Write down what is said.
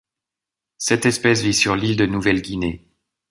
Cette espèce vit sur l'île de Nouvelle-Guinée.